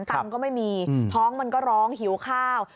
กรรมก็ไม่มีท้องมันก็ร้องหิวข้าว